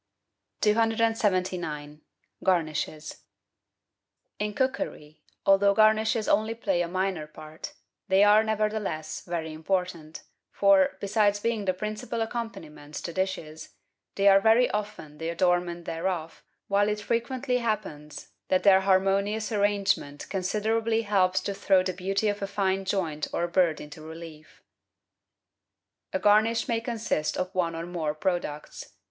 279— GARNISHES In cookery, although garnishes only play a minor part, they are, nevertheless, very important, for, besides being the principal accompaniments to dishes, they are very often the 134 GUIDE TO MODERN COOKERY adornment thereof, while it frequently happens that their har monious arrangement considerably helps to throw the beauty of a fine joint or bird into relief. A garnish may consist of one or more products.